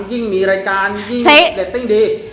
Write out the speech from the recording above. ยิ่งมีรายการยิ่งเรตติ้งดี